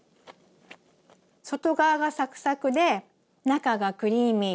外側がサクサクで中がクリーミー。